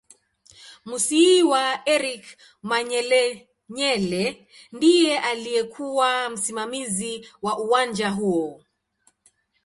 Musiiwa Eric Manyelenyele ndiye aliyekuw msimamizi wa uwanja huo